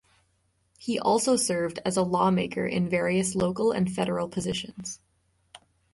He also served as a lawmaker in various local and federal positions.